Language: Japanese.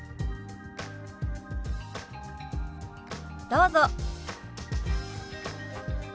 どうぞ。